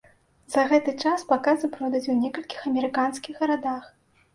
За гэты час паказы пройдуць у некалькіх амерыканскіх гарадах.